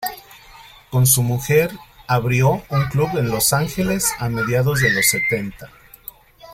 Con su mujer, abrió un club en Los Ángeles a mediados de los setenta.